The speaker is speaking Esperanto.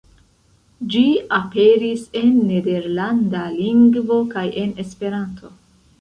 Ĝi aperis en nederlanda lingvo kaj en Esperanto.